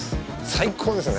最高ですね。